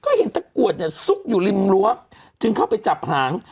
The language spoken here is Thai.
ก็เห็นตะกรวดเนี่ยซุกอยู่ริมรั้วจึงเข้าไปจับหาง